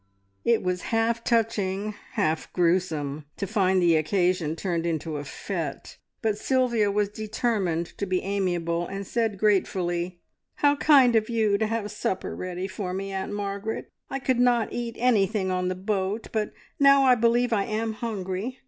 It was half touching, half gruesome, to find the occasion turned into a fete, but Sylvia was determined to be amiable, and said gratefully "How kind of you to have supper ready for me, Aunt Margaret! I could not eat anything on the boat, but now I believe I am hungry.